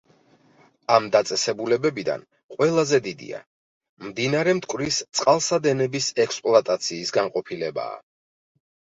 ამ დაწესებულებებიდან ყველაზე დიდია მდინარე მტკვრის წყალსადენების ექსპლუატაციის განყოფილებაა.